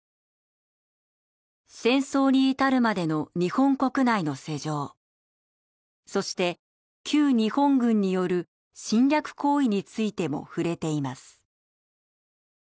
戦争に至るまでの日本国内の世情そして旧日本軍による侵略行為についても触れています。